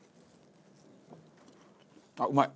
あっうまい！